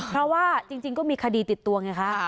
เพราะว่าจริงก็มีคดีติดตัวไงคะ